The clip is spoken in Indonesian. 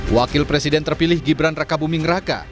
wakil presiden terpilih gibran raka buming raka